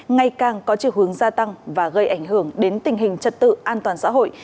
ngày càng có chiều hướng gia tăng và gây ảnh hưởng đến tình hình trật tự an toàn xã hội